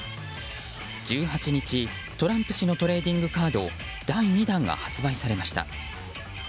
１８日、トランプ氏のトレーディングカード第２弾が発売されました。